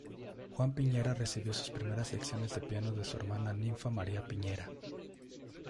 Juan Piñera recibió sus primeras lecciones de piano de su hermana Ninfa María Piñera.